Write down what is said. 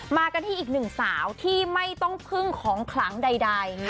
มากันที่อีก๑สาวที่ไม่ต้องเพิ่งของคลั้งใด